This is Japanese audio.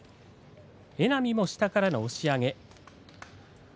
榎波の下からの押し上げ。